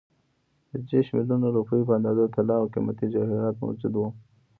د دېرشو میلیونو روپیو په اندازه طلا او قیمتي جواهرات موجود وو.